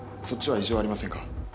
そっちは異常ありませんか？